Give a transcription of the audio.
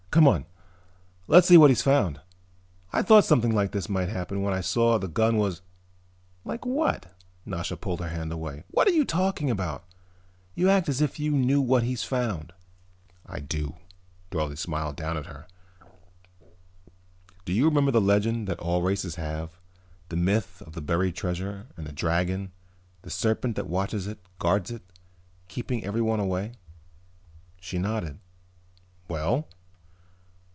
"Come on. Let's see what he's found. I thought something like this might happen when I saw that the gun was " "Like what?" Nasha pulled her hand away. "What are you talking about? You act as if you knew what he's found." "I do." Dorle smiled down at her. "Do you remember the legend that all races have, the myth of the buried treasure, and the dragon, the serpent that watches it, guards it, keeping everyone away?" She nodded. "Well?"